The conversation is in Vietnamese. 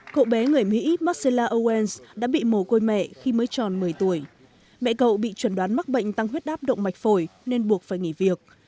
cậu bé người mỹ marcella owens đã bị mồ côi mẹ khi mới tròn một mươi tuổi mẹ cậu bị chuẩn đoán mắc bệnh tăng huyết áp động mạch phổi nên buộc phải nghỉ việc